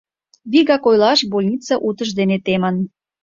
Вигак ойлаш, больнице утыж дене темын.